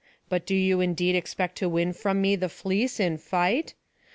But do you indeed expect to win from me the fleece in fight?